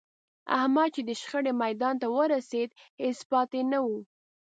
احمد چې د شخړې میدان ته ورسېد، هېڅ پاتې نه و.